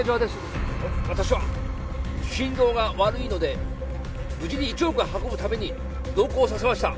私は心臓が悪いので無事に１億を運ぶために同行させました。